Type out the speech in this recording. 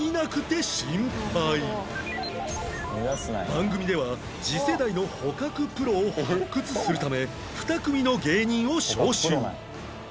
番組では次世代の捕獲プロを発掘するため２組の芸人を招集